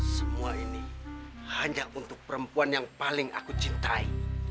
semua ini hanya untuk perempuan yang paling aku cintai